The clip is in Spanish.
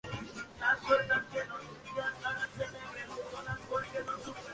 Ambas con Misa Solemne y Procesión por las calles de la barriada.